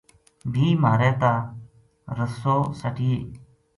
بھی مھارے تا رسو سٹینے